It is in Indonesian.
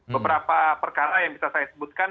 beberapa perkara yang bisa saya sebutkan